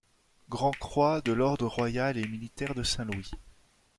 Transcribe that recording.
Grand'croix de l'ordre royal et militaire de Saint-Louis.